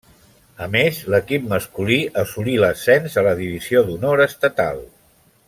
A més, l'equip masculí assolí l'ascens a la divisió d'honor estatal.